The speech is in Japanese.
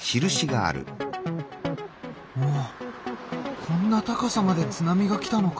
おっこんな高さまで津波が来たのか。